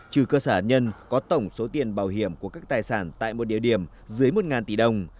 trừ cơ sở nhân có tổng số tiền bảo hiểm của các tài sản tại một địa điểm dưới một tỷ đồng